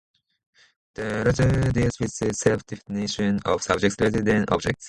The latter deals with the self-definition of subjects rather than objects.